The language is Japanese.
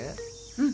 うん。